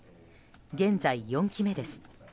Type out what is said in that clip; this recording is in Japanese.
現在、４期目です。